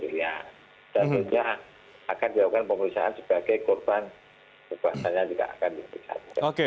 dan sepertinya akan dilakukan pemeriksaan sebagai korban kekerasannya juga akan dipisahkan